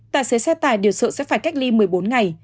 tài xế xe tài đều sợ sẽ phải cách ly một mươi bốn ngày